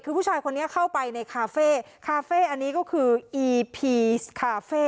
คือผู้ชายคนนี้เข้าไปในคาเฟ่คาเฟ่อันนี้ก็คืออีพีสคาเฟ่